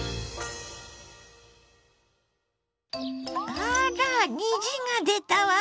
あら虹が出たわ！